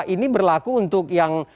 ini berlaku untuk yang